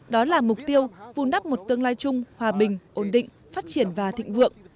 đó là mục tiêu vun đắp một tương lai chung hòa bình ổn định phát triển và thịnh vượng